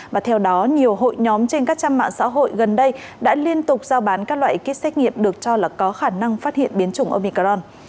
và theo đó nhiều hội nhóm trên các trang mạng xã hội gần đây đã liên tục giao bán các loại kit xét nghiệm được cho là có khả năng phát hiện biến chủng omicron